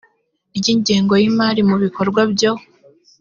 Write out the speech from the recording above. ry ingengo y imari mu bikorwa byo